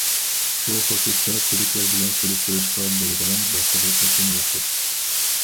بۇ خۇسۇستا تۈركلەر بىلەن سېلىشتۇرۇشقا بولىدىغان باشقا بىر قوشۇن يوقتۇر.